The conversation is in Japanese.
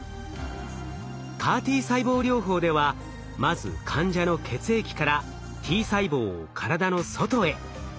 ＣＡＲ−Ｔ細胞療法ではまず患者の血液からＴ細胞を体の外へ。